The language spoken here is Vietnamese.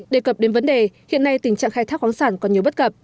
đề cập đến vấn đề hiện nay tình trạng khai thác khoáng sản còn nhiều bất cập